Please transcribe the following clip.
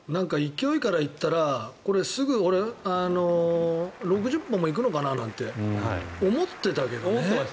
勢いからいったらこれすぐ６０本も行くのかななんて思ってましたね。